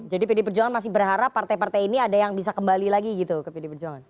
jadi pdi perjuangan masih berharap partai partai ini ada yang bisa kembali lagi gitu ke pdi perjuangan